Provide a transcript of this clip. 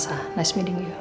senang bertemu denganmu